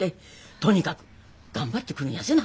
とにかく頑張ってくるんやぜな。